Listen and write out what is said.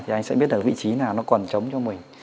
thì anh sẽ biết ở vị trí nào nó còn chống cho mình